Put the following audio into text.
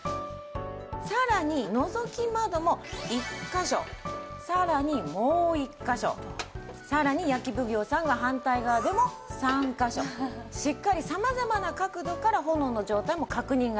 さらにのぞき窓も１カ所さらにもう１カ所さらに焼き奉行さんが反対側でも３カ所しっかり様々な角度から炎の状態も確認ができます。